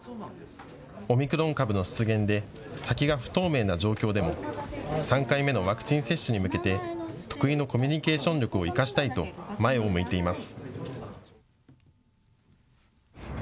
オミクロン株の出現で先が不透明な状況でも３回目のワクチン接種に向けて得意のコミュニケーション力を生かしたいと前を向いています。